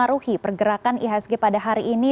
apakah ini akan mempengaruhi pergerakan ihsg pada hari ini